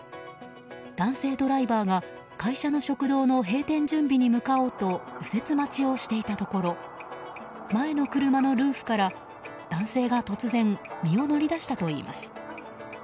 男性ドライバーが会社の食堂の閉店準備に向かおうと右折待ちをしていたところ前の車のルーフから男性が突然身を乗り出したといいます。